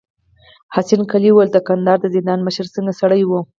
حسن قلي وويل: د کندهار د زندان مشر څنګه سړی و؟